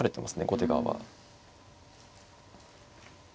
後手側は。